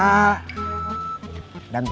selama dia bisa